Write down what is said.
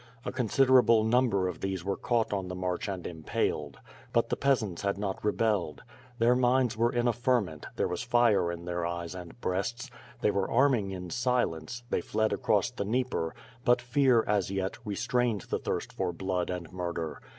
A considerable number of these were caught on the march and impaled; but the peasants had not rebelled. Their minds were in a ferment; there was fire in their eyes and breasts; they were arming in silence; they fled across the Dnieper, but fear, as yet, restrained the thirst for blood and murder.